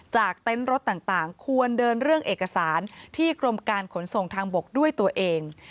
เต็นต์รถต่างควรเดินเรื่องเอกสารที่กรมการขนส่งทางบกด้วยตัวเอง